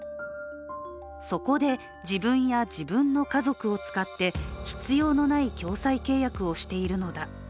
そこで自分や自分の家族を使って必要のない共済契約をしているのだ。